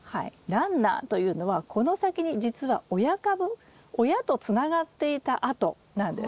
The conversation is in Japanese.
ランナーというのはこの先にじつは親株親とつながっていた跡なんです。